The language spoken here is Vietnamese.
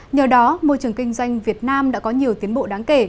nhờ đó môi trường kinh doanh việt nam đã có nhiều tiến bộ đáng kể